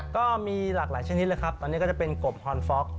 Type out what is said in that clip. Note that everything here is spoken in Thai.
ก็มีหลากหลายชนิดเลยครับตอนนี้ก็จะเป็นกบฮอนฟ็อก